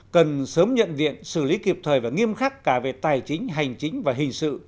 cần sớm nhận diện xử lý kịp thời và nghiêm khắc cả về tài chính hành chính và hình sự